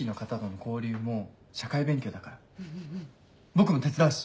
僕も手伝うし。